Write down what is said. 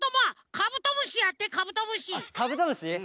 カブトムシ！？